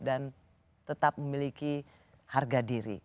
dan tetap memiliki harga diri